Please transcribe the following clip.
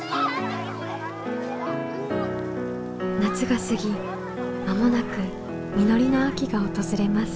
夏が過ぎ間もなく実りの秋が訪れます。